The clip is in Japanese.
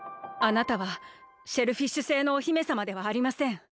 あなたはシェルフィッシュ星のお姫さまではありません。